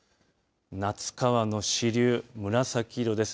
夏川の支流、紫色です。